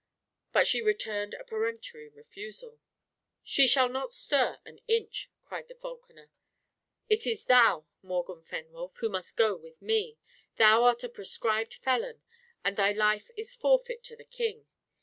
But she returned a peremptory refusal. "She shall not stir an inch!" cried the falconer. "It is thou, Morgan Fenwolf, who must go with me. Thou art a proscribed felon, and thy life is forfeit to the king.